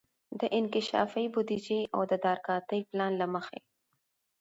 د انکشافي بودیجې او تدارکاتي پلان له مخي